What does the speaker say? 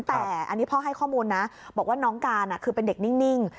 แต่อันนี้พ่อให้ข้อมูลนะบอกว่าน้องการคือเป็นเด็กนิ่ง